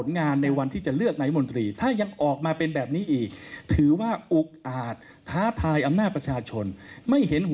นี่เขาจะมีแจกแจกไหมคะ